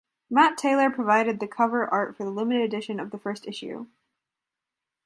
Matt Taylor provided the cover art for the limited edition of the first issue.